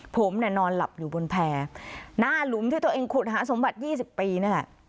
ผมน่ะนอนหลับอยู่บนแผ่หน้าหลุมที่ตัวเองขุดหาสมบัติยี่สิบปีน่ะ